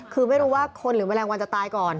คือไม่รู้ว่าคนหรือแมลงวันจะตายก่อน